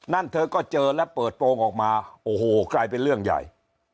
เธอก็เจอและเปิดโปรงออกมาโอ้โหกลายเป็นเรื่องใหญ่